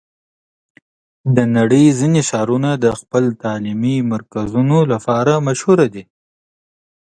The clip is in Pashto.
د نړۍ ځینې ښارونه د خپلو تعلیمي مرکزونو لپاره مشهور دي.